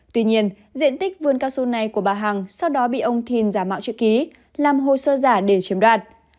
tuy nhiên diện tích vườn cao su này của bà hằng sau đó bị ông thìn giả mạo chữ ký làm hồ sơ giả để chiếm đoạt